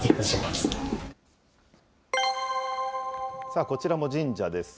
さあ、こちらも神社です。